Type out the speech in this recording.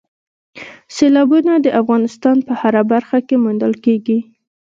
سیلابونه د افغانستان په هره برخه کې موندل کېږي.